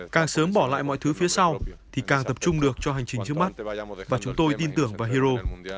càng sớm bỏ lại mọi thứ phía sau thì càng tập trung được cho hành trình trước mắt và chúng tôi tin tưởng vào hero